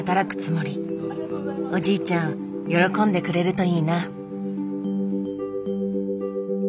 おじいちゃん喜んでくれるといいな。